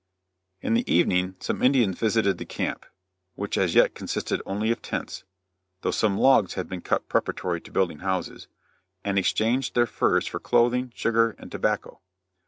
In the evening some Indians visited the camp which as yet consisted only of tents, though some logs had been cut preparatory to building houses and exchanged their furs for clothing, sugar and tobacco.